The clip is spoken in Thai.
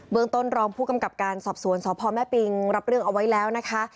เมืองต้นรองผู้กำกับการสอบสวนสพแม่ปิงรับเรื่องเอาไว้แล้วนะคะ